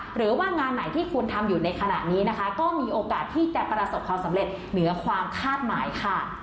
หรือว่างานไหนที่คุณทำอยู่ในขณะนี้นะคะก็มีโอกาสที่จะประสบความสำเร็จเหนือความคาดหมายค่ะ